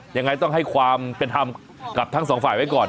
ยังไงต้องให้ความเป็นธรรมกับทั้งสองฝ่ายไว้ก่อน